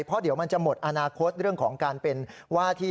เพราะเดี๋ยวมันจะหมดอนาคตเรื่องของการเป็นว่าที่